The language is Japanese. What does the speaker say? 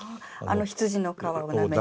羊の皮をなめして。